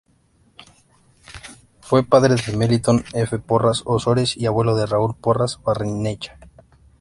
Fue padre de Melitón F. Porras Osores y abuelo de Raúl Porras Barrenechea.